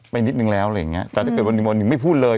นิดนึงแล้วอะไรอย่างเงี้แต่ถ้าเกิดวันหนึ่งวันหนึ่งไม่พูดเลย